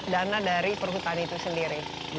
dan dana dari perhutani itu sendiri